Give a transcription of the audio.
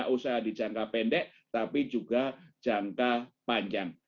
tidak usah dijangka pendek tapi juga jangka panjang